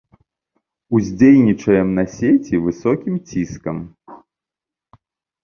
Уздзейнічаем на сеці высокім ціскам.